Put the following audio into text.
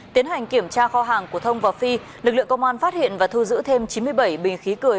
tiến hành kiểm tra kho hàng của thông và phi lực lượng công an phát hiện và thu giữ thêm chín mươi bảy bình khí cười